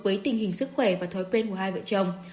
với tình hình sức khỏe và thói quen của hai vợ chồng